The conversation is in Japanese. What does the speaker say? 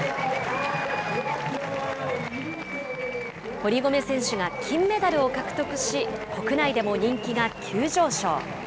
堀米選手が金メダルを獲得し、国内でも人気が急上昇。